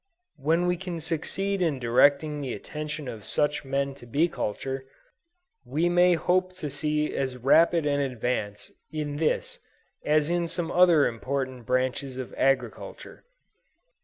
When we can succeed in directing the attention of such men to bee culture, we may hope to see as rapid an advance in this as in some other important branches of agriculture.